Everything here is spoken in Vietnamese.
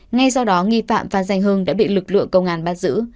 ngay sau đó nghi phạm phan danh hưng đã bị lực lượng công an bắt giữ